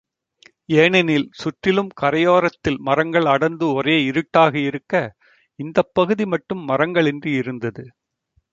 ஏனெனில், சுற்றிலும் கரையோரத்தில் மரங்கள் அடர்ந்து ஒரே இருட்டாக இருக்க, இந்தப் பகுதி மட்டும் மரங்களின்றி இருந்தது.